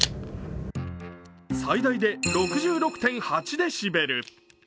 最大で６６．８デシベル。